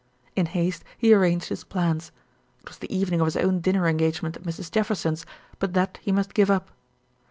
In haste he arranged his plans. It was the evening of his own dinner engagement at Mrs. Jefferson's but that he must give up.